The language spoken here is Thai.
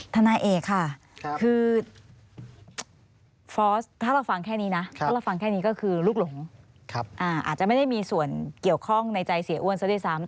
นายเอกค่ะคือฟอร์สถ้าเราฟังแค่นี้นะถ้าเราฟังแค่นี้ก็คือลูกหลงอาจจะไม่ได้มีส่วนเกี่ยวข้องในใจเสียอ้วนซะด้วยซ้ำ